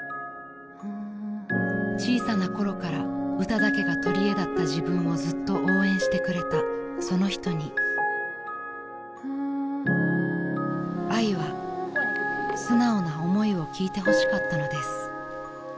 ［小さなころから歌だけが取りえだった自分をずっと応援してくれたその人にあいは素直な思いを聞いてほしかったのです］